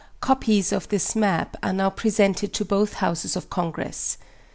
Copies of this map are now presented to both houses of Congress.